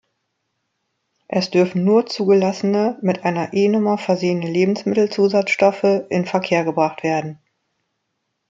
Es dürfen nur zugelassene, mit einer E-Nummer versehene Lebensmittelzusatzstoffe in Verkehr gebracht werden.